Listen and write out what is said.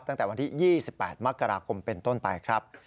ตั้งแต่วันที่๒๘มกราคมเป็นต้นไปครับ